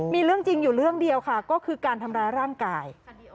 มีเรื่องจริงอยู่เรื่องเดียวค่ะก็คือการทำร้ายร่างกาย